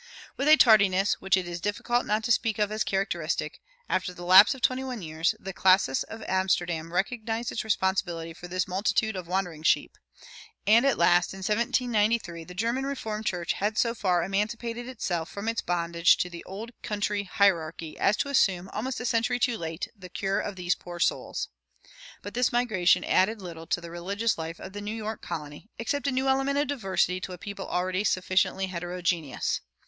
[140:1] With a tardiness which it is difficult not to speak of as characteristic, after the lapse of twenty one years the classis of Amsterdam recognized its responsibility for this multitude of wandering sheep; and at last, in 1793, the German Reformed Church had so far emancipated itself from its bondage to the old country hierarchy as to assume, almost a century too late, the cure of these poor souls. But this migration added little to the religious life of the New York Colony, except a new element of diversity to a people already sufficiently heterogeneous.